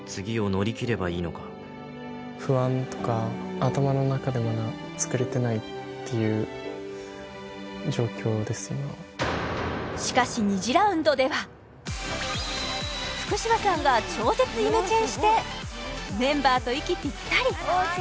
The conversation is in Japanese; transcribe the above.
この日の膳さんの日記にはしかし２次ラウンドでは福嶌さんが超絶イメチェンしてメンバーと息ぴったり！